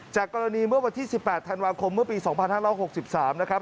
จากกรณีเมื่อวันที่๑๘ธันวาคมเมื่อปี๒๕๖๓นะครับ